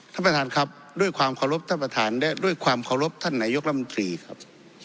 ท่านประธานครับด้วยความขอรบท่านประธานด้วยความขอรบท่านนายกรัฐมนตรีครับ